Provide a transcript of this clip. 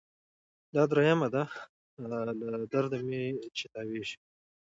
دا دریمه ده له درده چي تاویږي